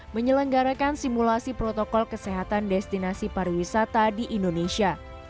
menyelenggarakan simulasi protokol kesehatan destinasi pariwisata di indonesia